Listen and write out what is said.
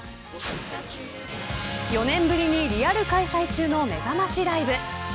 ４年ぶりにリアル開催中のめざましライブ。